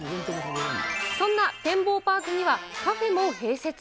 そんなてんぼうパークにはカフェも併設。